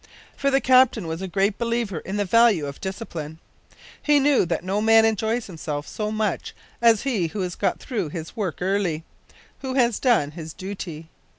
For the captain was a great believer in the value of discipline. He knew that no man enjoys himself so much as he who has got through his work early who has done his duty.